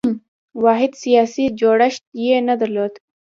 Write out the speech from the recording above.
واحد سیاسي جوړښت یې نه درلود.